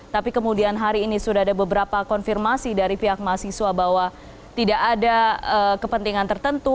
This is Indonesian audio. tapi kemudian hari ini sudah ada beberapa konfirmasi dari pihak mahasiswa bahwa tidak ada kepentingan tertentu